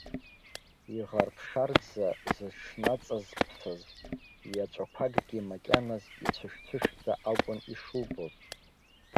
Иӷарԥшарӡа зыҽнаҵазԥсаз иаҵәақәакгьы макьаназ ицәыш-цәышӡа акәын ишубоз.